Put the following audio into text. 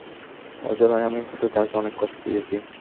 অজানায়, আমি হয়তো তাকে অনেক কষ্ট দিয়েছি।